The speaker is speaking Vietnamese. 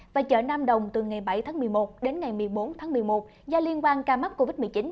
và chợ nam đồng từ ngày bảy tháng một mươi một đến ngày một mươi bốn tháng một mươi một do liên quan ca mắc covid một mươi chín